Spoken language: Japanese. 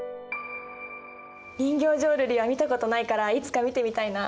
人形浄瑠璃は見たことないからいつか見てみたいな。